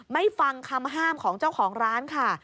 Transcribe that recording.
ไม่ฟังคำห้ามของเจ้าของร้านค่ะ